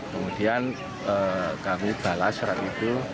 kemudian kami balas surat itu